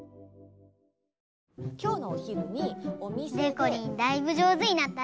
きょうのおひるにおみせで。でこりんだいぶじょうずになったね。